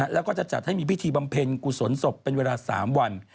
แล้วก็จะจัดให้มีพิธีบำเพ็ญกุศลศพเป็นเวลา๓วัน